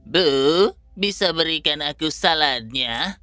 bu bisa berikan aku saladnya